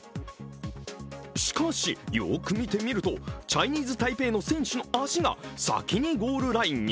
しかし、よく見てみるとチャイニーズ・タイペイの選手の足が先にゴールラインに。